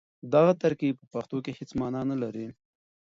دغه ترکيب په پښتو کې هېڅ مانا نه لري.